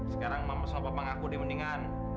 sekarang mama sama papa ngaku di mendingan